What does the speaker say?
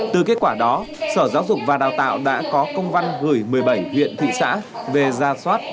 từ kết quả đó sở giáo dục và đào tạo đã có công văn gửi một mươi bảy huyện thị xã về ra soát